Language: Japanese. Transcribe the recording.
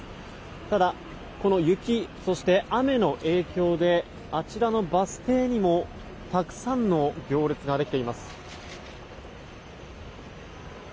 ただ、この雪そして雨の影響であちらのバス停にもたくさんの行列ができています。